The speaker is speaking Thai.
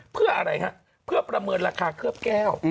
เพื่ออะไรฮะเพื่อประเมินราคาเคลือบแก้ว